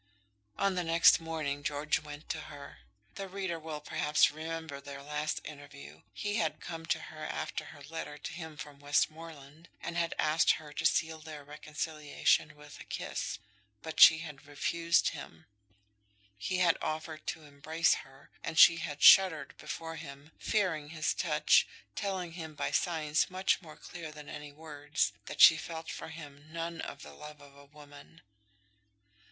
On the next morning George went to her. The reader will, perhaps, remember their last interview. He had come to her after her letter to him from Westmoreland, and had asked her to seal their reconciliation with a kiss; but she had refused him. He had offered to embrace her, and she had shuddered before him, fearing his touch, telling him by signs much more clear than any words, that she felt for him none of the love of a woman.